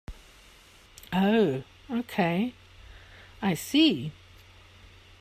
Oh okay, I see.